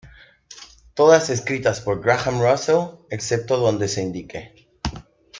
Todas escritas por Graham Russell, excepto donde se indique.